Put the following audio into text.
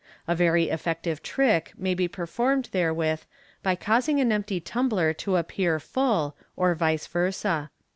A very effective trick may be performed therewith by causing an empty tumbler to appear full, or vice versa.